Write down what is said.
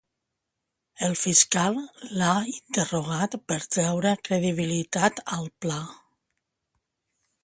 El fiscal l'ha interrogat per treure credibilitat al pla.